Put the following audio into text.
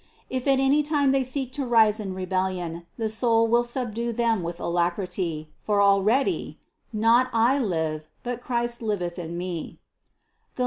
If at any time they seek to rise in rebellion, the soul will subdue them with alacrity, for already "not I live, but Christ liveth in me" (Gal.